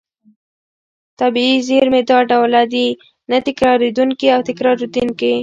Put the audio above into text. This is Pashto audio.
طبیعي زېرمې دوه ډوله دي: نه تکرارېدونکې او تکرارېدونکې.